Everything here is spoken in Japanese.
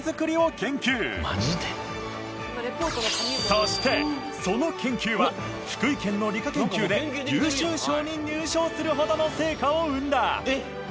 そしてその研究は福井県の理科研究で優秀賞に入賞するほどの成果を生んだ。